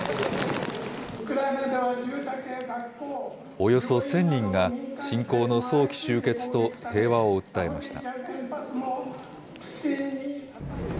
およそ１０００人が、侵攻の早期終結と平和を訴えました。